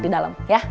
di dalam ya